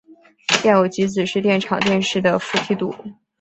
电偶极子的电场是电势的负梯度。